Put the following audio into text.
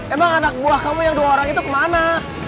emang anak buah kamu yang dua orang itu kemana